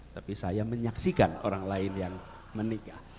tapi saya menyaksikan orang lain yang menikah